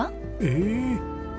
ええ！